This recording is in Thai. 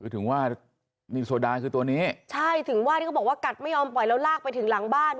ถึงว่านี่โซดาคือตัวนี้ใช่ถึงว่าที่เขาบอกว่ากัดไม่ยอมปล่อยแล้วลากไปถึงหลังบ้าน